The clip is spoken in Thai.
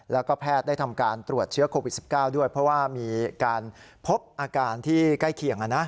แล้วก็แพทย์ได้ทำการตรวจเชื้อโควิด๑๙ด้วยเพราะว่ามีการพบอาการที่ใกล้เคียง